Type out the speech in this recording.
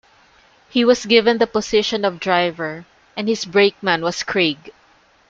He was given the position of driver and his brakeman was Craig.